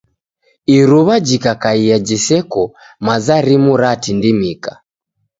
Iruwa jikakaia jiseko, maza rimu ratindimika.